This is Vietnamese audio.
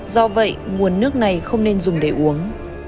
do vậy nguồn nước này không nên dùng để uống